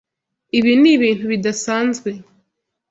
Ibi ni ibintu bidasanzwe.